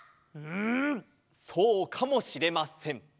うんそうかもしれません。